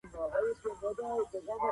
هیوادونه به په ګډه همکاري کوي.